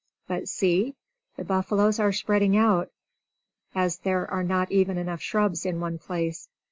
But see! The buffaloes are spreading out, as there are not even enough shrubs in one place.